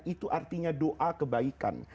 itu artinya doa kebaikan